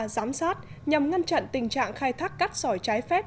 giám sát nhằm ngăn chặn tình trạng khai thác cát sỏi trái phép